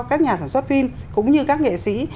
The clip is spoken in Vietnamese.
các nhà sản xuất phim cũng như các nghệ sĩ